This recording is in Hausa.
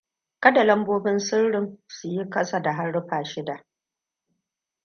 Kada lambobin sirrin su yi kasa da haruffa shida.